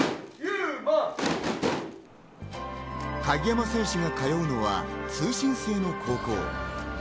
鍵山選手が通うのは通信制の高校。